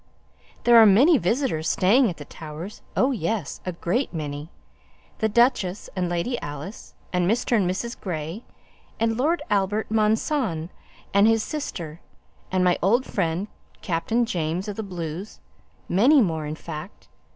"There are many visitors staying at the Towers oh, yes! a great many: the duchess and Lady Alice, and Mr. and Mrs. Grey, and Lord Albert Monson and his sister, and my old friend Captain James of the Blues many more, in fact.